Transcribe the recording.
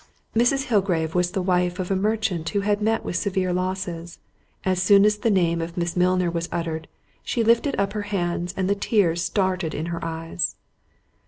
Mrs. Hillgrave was the wife of a merchant who had met with severe losses: as soon as the name of Miss Milner was uttered, she lifted up her hands, and the tears started in her eyes.